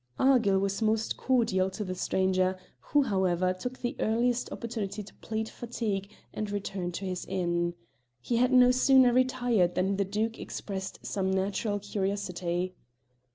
Argyll was most cordial to the stranger, who, however, took the earliest opportunity to plead fatigue and return to his inn. He had no sooner retired than the Duke expressed some natural curiosity.